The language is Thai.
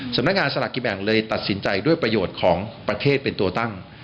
สำนักงานสลากกินแบ่งเลยตัดสินใจด้วยประโยชน์ของประเทศเป็นตัวตั้ง